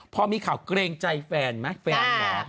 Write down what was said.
พอมีข่าวเกรงใจแฟนไหมแฟนหมอ